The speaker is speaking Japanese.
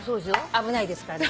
危ないですからね。